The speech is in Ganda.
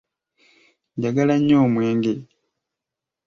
Njagala nnyo omwenge.